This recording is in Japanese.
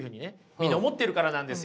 みんな思ってるからなんですよ。